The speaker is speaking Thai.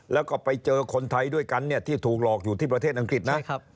แล้วก็ไปเจอคนไทยด้วยกันเนี่ยที่ถูกหลอกอยู่ที่ประเทศอังกฤษนะ